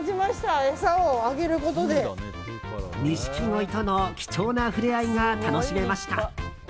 ニシキゴイとの貴重な触れ合いが楽しめました。